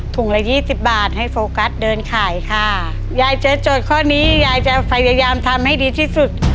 ละยี่สิบบาทให้โฟกัสเดินขายค่ะยายเจอโจทย์ข้อนี้ยายจะพยายามทำให้ดีที่สุด